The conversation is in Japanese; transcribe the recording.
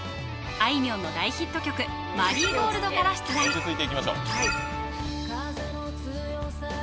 あいみょんの大ヒット曲「マリーゴールド」から出題漢字